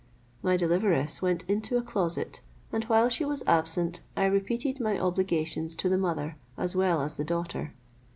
My deliveress went into a closet, and while she was absent, I repeated my obligations to the mother as well as the daughter.